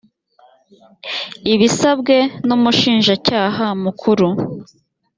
ibisabwe n umushinjacyaha mukuru